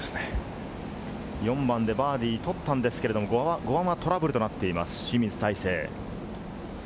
４番でバーディーを取ったんですけれど、５番はトラブルとなっています、清水大成。